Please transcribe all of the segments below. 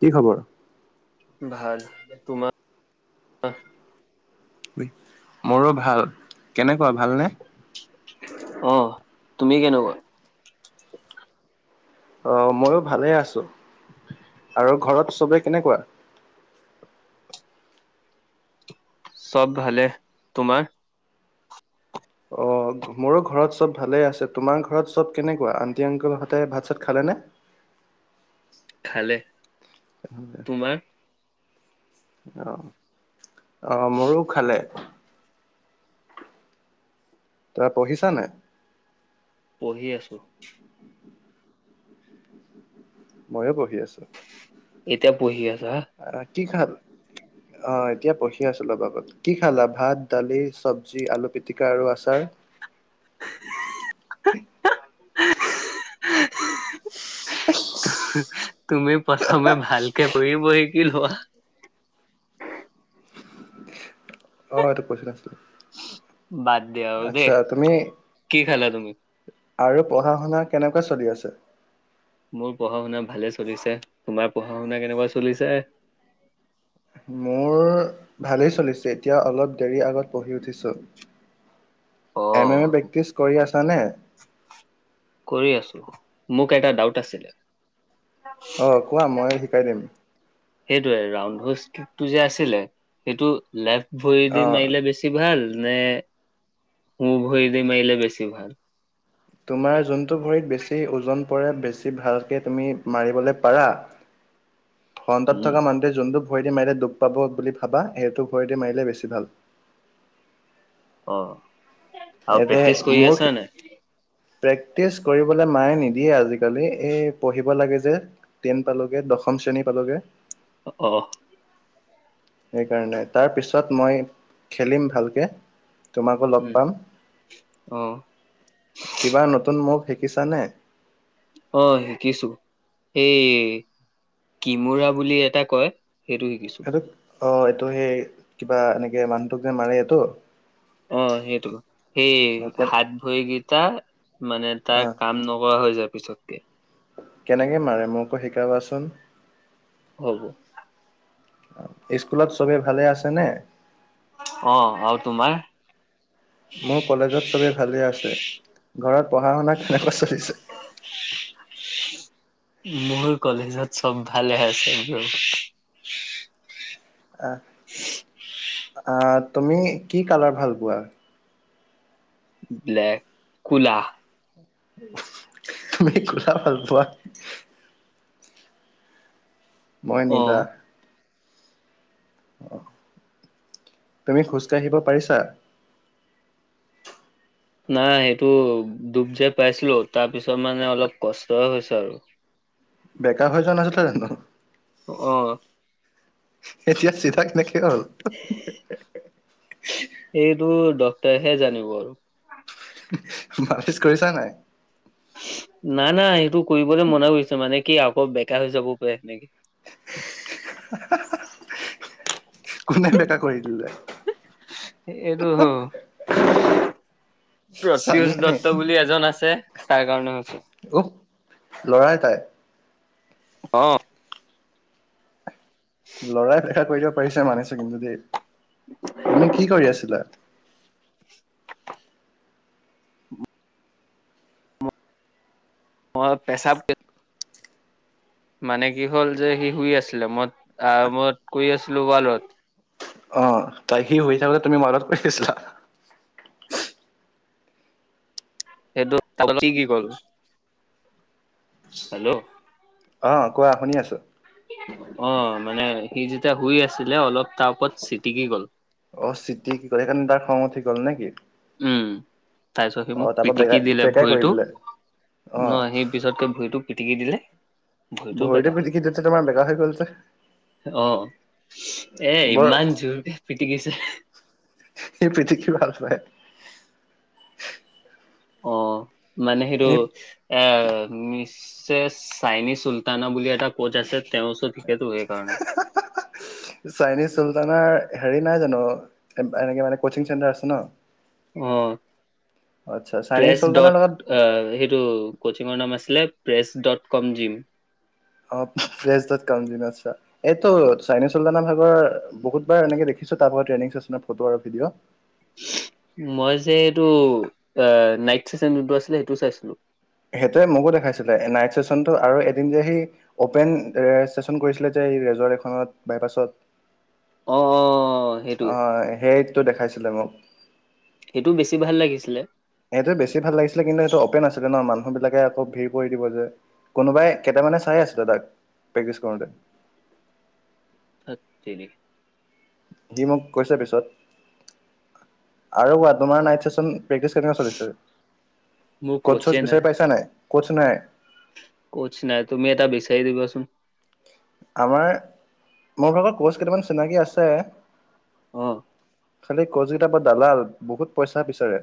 কি খবৰ। ভাল। তোমাৰ মোৰো ভাল কেনেকুৱা ভালনে। অ তুমি কেনেকুৱা। অ মইো ভালে আছো আৰু ঘৰত চবে কেনেকুৱা। চব ভালে তোমাৰ। অ। মোৰো ঘৰত চব ভালে আছে তোমাৰ ঘৰত চব কেনেকুৱা আটি অংকুল হতে ভাত চাত খালে নে। [unintelligible] তোমাৰ অ অ মোৰো খালে। তা পঢ়িছা নাই। পঢ়ি আছো। ময়ো পহি আছো। এতিয়াও পহি আছা। অ কি খাল অ এতিয়া পঢ়ি আছো অলব আগত। কি খালা ভাত দালি চব্জি আলু পিটিকা আৰু আচাৰ। [unintelligible] [unintelligible] তুমি প্ৰথমে ভালকে কৰিব শিকি লোৱা। অ', এইটো কৈছিলা চোন। বাদ দিয়া আৰু দেই, কি খালা তুমি? আৰু পঢ়া শুনা কেনেকুৱা চলি আছে? মোৰ পঢ়া শুনা ভালে চলিছে, তোমাৰ পঢ়া শুনা কেনেকুৱা চলিছে? মোৰ ভালেই চলিছে, এতিয়া অলপ দেৰি আগত পঢ়ি উঠিছো। অ এম, এম এ প্ৰেক্টিচ কৰি আছা নে? কৰি আছো, মোক এটা ডাউট আছিলে। অ', কোৱা মই শিকাই দিম। সেইটোৱে ৰাউড হোচটো যে আছিলে, সেইটো লেফ্ট ভৰি দি অঁ মাৰিলে বেছি ভাল, নে সোঁ ভৰি দি মাৰিলে বেছি ভাল? তোমাৰ যোনটো ভৰিত বেছি ওজন পৰে, বেছি ভালকৈ তুমি মাৰিবলৈ পাৰা [inaudible] সন্তত উম থকা মানুহটোৱে যোনটো ভৰি দি মাৰিলে দুখ পাব বুলি ভাবা, সেইটো ভৰি দি মাৰিলে বেছি ভাল। অ', আৰু এতে প্ৰেক্টিছ কৰি মোৰ আছ নে? প্ৰেক্টিচ কৰিবলৈ মায়ে নিদিয়ে আজিকালি, এই পঢ়িব লাগে যে। টেন পালোগে, দশ শ্ৰেণী পালোগে। অ'। সেইকাৰণে, তাৰ পিছত মই খেলিম ভালকে। তোমাকো লগ উম পাম, অ কিবা নতুন মোক শিকিছ নে? অ', শিকিছো, এই কিমোৰা বুলি এটা কয়, সেইটো শিকিছো। এইটো অ', এইটো সেই কিবা, এনেকে মানুহটোক যে মাৰে সেইটো? অ', সেইটো, সেই অ কে হাত ভৰি কেইটা মানে অ তাৰ কাম নকৰা হৈ যায় পিছত। কেনেকে মাৰে মোকো শিকাবাচোন। হ'ব। স্কুলত চবে ভালে আছে নে? অ', আৰু তোমাৰ? মোৰ কলেজত চবে ভালে আছে, ঘৰত পঢ়া শুনা কেনেকুৱা চলিছে? মই কলেজত চব ভালে আছে। আহ, আহ তুমি কি কালাৰ ভাল পোৱা? ব্লেক, ক'লা। তুমি ক'লা ভাল পোৱা? মই অ নীলা। তুমি খোজকাঢ়িব পাৰিছা? নাই সেইটো, দুখ যে পাইছিলো, তাৰ পিছত মানে অলপ কষ্টয়ে হৈছে আৰু। বেকা হৈ যোৱা নাছিলে জানো? অ'। এতিয়া চিধা কেনেকে হ'ল? এইটো ডক্তৰেহে জানিব আৰু। মালিচ কৰিছা নাই? নাই নাই, সেইটো কৰিবলৈ মনা কৰিছে, মানে কি আকৌ বেকা হৈ যাব পাৰে সেনেকে। কোনে বেকা কৰি দিলে? এইটো [unintelligible] প্ৰটোষ চানিয়ে নে? দত্ত বুলি এজন আছে তাৰ কাৰণে হৈছো উহ লৰাই তাই অ লৰাই ফেকা কৰি দিব পাৰিছে মানিছে কিন্তু দেই তুমি কি কৰি আছিলা অ পেচাব মানে কি হ'ল যে সি শুই আছিলে মই মই কৰি আছিলো ৱালত অ তাই সি শুই থাকোতে তুমি ৱালত শুই আছিলা সেইটো হেল্ল' অ কোৱা শুনি আছো অ মানে সি যেতিয়া শুই আছিলে অলপ তাৰ ওপৰত চিটিকি গ'ল অ চিটি কি গল সেইকাৰণে তাৰ খং উঠি গ'ল নেকি উম তাৰ পিছত সি মোক অ তাৰ পৰা বেকাই পিটিকি দিলে বেকাই কৰি ভৰিটো দিলে অ ন সি পিছতকে ভুৰিটো পিটিকি দিলে ভৰিটো ভৰিতো বেকা হ'ল পিটিকি দিওঁতে তোমাৰ বেকা হৈ গল যে অ এ বৰ ইমান জোৰকে পিটিকিছে সি পিটিকি ভাল পায় অ মানে সেইটো এই এ মিছেছ চাইনী চুলতানা বুলি এটা পজ আছে তেওঁ ওচৰত শিকেটো সেইকাৰণে চাইনিজ চুলতানৰ হেৰি নাই জানো এনেকে মানে কচিং চেণ্টাৰ আছে ন অ আচ্ছা চাইনিজ প্ৰেছ চুলতানৰ ডট লগত আ সেইটো কচিঙৰ নাম আছিলে প্ৰেছ ডট কম জিম অঁ প্ৰেজ দত কম জিম আটচ্ছা এইটো চাইনি চুলতানৰ ভাগৰ বহুতবাৰ এনেকে দেখিছো তাত ট্ৰেনিং চেচনৰ ফটো আৰু ভিডিঅ' মই যে এইটো আ নাইট চেচনটো যোনটো আছিলে সেইটো চাইছিলো সেইটোৱে মোকো দেখাইছিলে নাইট চেচনতটো আৰু এদিন যে সেই অপেন ৰেষ্টেচন কৰিছিলে যে ৰেজৰ্ট এখনত বাইপাছত অ', অ', সেইটো অ সেইটো দেখাইছিলে মোক ইটো বেছি ভাল লাগিছিলে সেইটো বেছি ভাল লাগিছিলে কিন্তু এইটো অপেন আছিলে ন মানুহ বিলাকে আকৌ ভিৰ কৰি দিব যে কোনোবাই কেইটামানে চাই আছিলে তাক প্ৰেক্টিচ কৰোতে ঠাত তেৰি সি মোক কৈছে পিছত আৰু কোৱা তোমাৰ নাইট চেচন প্ৰেক্টিচ কেনেকোৱা চলিছে মোৰ ক'টছচ বিচাৰি পাইছা নাই ক'তছ নাই কতৰ্চ নাই তুমি এটা বিচাই দিবাচোন আমাৰ মোৰ ভাগৰ ক'ৰ্চ কেইটামান চিনাকি আছে উম আঁচলতে কৰ্চ কেইটা পা দালাল বহুত পইচা বিচাৰে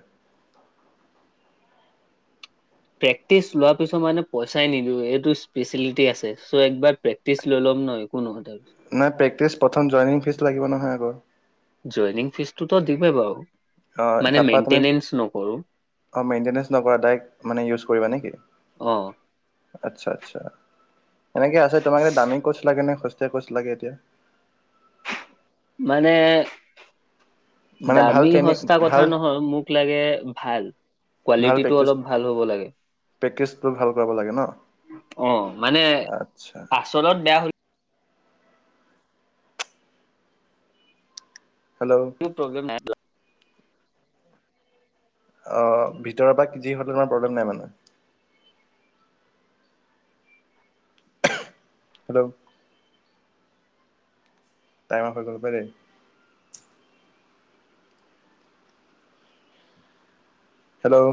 প্ৰেক্টিছ লোৱা পিছত মই পইচাই নিদু এইটো স্পেচিলিটি আছে চ একবাৰ টেষ্ট লৈ লম ন একো নুসোধে নাই প্ৰেক্টিচ প্ৰথম জইনিং ফিজ লাগিব নহয় আগৰ জয়নিং ফিজটোতো দিমে বাৰু মানে মেইনটেনেচ্ছ নকৰো অঁ মেইনটেনেঞ্চ নকৰা ডাইৰেক্ট মানে ইউজ কৰিবা নেকি উম আচ্ছা আচ্ছা। এনেকে আছে তোমাক এতিয়া দামী কোচ লাগে নে সস্তিয়া কোচ লাগে এতিয়া? মানে মানে ভাল দামী ট্ৰেইনিং সস্তা কথা ভাল নহয়, মোক লাগে ভাল। কোৱালিটিটো অলপ ভাল হ'ব লাগে। পেকেজটো ভাল পাব লাগে ন? অ' মানে আচ্ছা। আচলত বেয়া হৈ হেল্লো' তো প্ৰব্লেম ন [unintelligible] অঁ, ভিতৰৰ পৰা যি হলো প্ৰব্লেম নাই মানে? হেল্লো' টাইম আপ হৈ গ'ল পাই দেই। হেল্লো'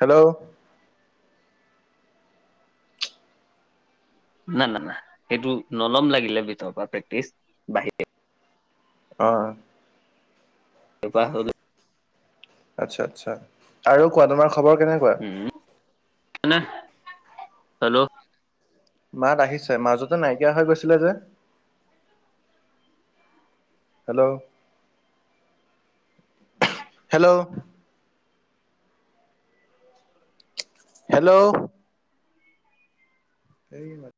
হেল্লো' না না না সেইটো নলম লাগিলে ভিতৰৰ পৰা প্ৰেক্টিচ বাহি [unintelligible] অঁ এই পাহ আচ্ছা আচ্ছা, আৰু কোৱা তোমাৰ খবৰ কেনেকুৱা? হুম, নাহ হেল্লো' মাত আহিছে, মাজতে নাইকিয়া হৈ গৈছিলে যে। হেল্লো' হেল্লো' হেল্লো' [inaudible] এই মা